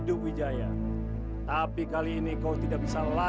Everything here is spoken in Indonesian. dan kedui sengkenmuai jamu sunca